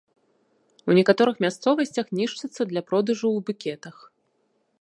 У некаторых мясцовасцях нішчыцца для продажу ў букетах.